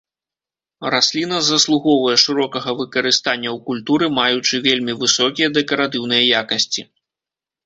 Расліна заслугоўвае шырокага выкарыстання ў культуры, маючы вельмі высокія дэкаратыўныя якасці.